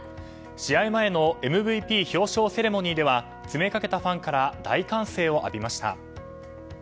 試合前のＭＶＰ表彰セレモニーでは詰めかけたファンから大歓声を浴びました。